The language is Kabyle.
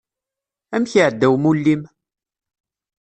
Amek iɛedda umulli-m?